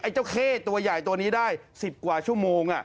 เจ้าเข้ตัวใหญ่ตัวนี้ได้๑๐กว่าชั่วโมง